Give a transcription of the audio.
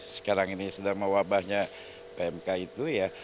sekarang ini sedang mewabahnya pmk itu ya